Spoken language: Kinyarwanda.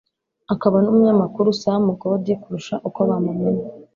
akaba n'umunyamakuru Sam Gody kurusha uko bamumenye